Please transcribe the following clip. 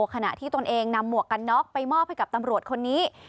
ขณะที่ตนเองนำหมวกกันน็อกไปมอบให้กับตำรวจคนนี้